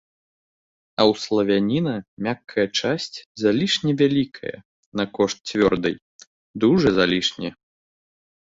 А ў славяніна мяккая часць залішне вялікая на кошт цвёрдай, дужа залішне.